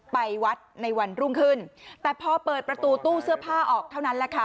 ไปวัดในวันรุ่งขึ้นแต่พอเปิดประตูตู้เสื้อผ้าออกเท่านั้นแหละค่ะ